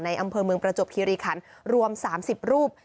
อำเภอเมืองประจวบคิริขันรวม๓๐รูป